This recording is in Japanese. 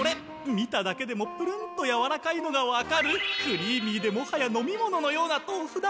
見ただけでもプルンとやわらかいのがわかるクリーミーでもはや飲み物のようなとうふだ。